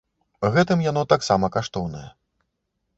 Гэтым яно таксама каштоўнае.